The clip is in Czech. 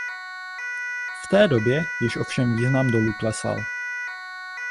V té době již ovšem význam dolu klesal.